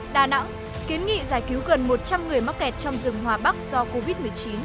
đà nẵng kiến nghị giải cứu gần một trăm linh người mắc kẹt trong rừng hòa bắc do covid một mươi chín